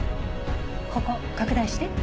ここ拡大して。